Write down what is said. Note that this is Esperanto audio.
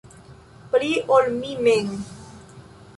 Pli, ol mi mem.